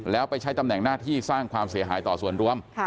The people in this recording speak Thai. แล้วไปใช้ตำแหน่งหน้าที่สร้างความเสียหายต่อส่วนรวม